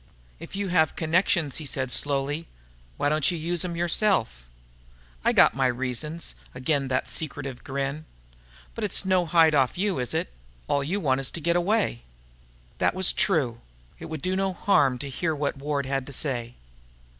"If you have connections," he said slowly, "why don't you use 'em yourself?" "I got my reasons." Again that secretive grin. "But it's no hide off you, is it? All you want is to get away." That was true. It would do no harm to hear what Ward had to say.